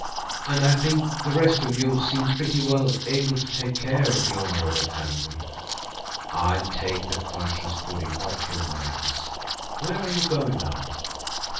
And I think the rest of you seem pretty well able to take care of the honour of the family. I'll take the conscience pudding off your minds. Where are you going now?"